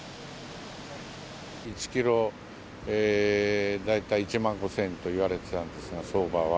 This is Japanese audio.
１キロ大体１万５０００円といわれてたんですが、相場は。